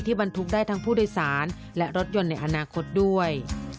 บรรทุกได้ทั้งผู้โดยสารและรถยนต์ในอนาคตด้วย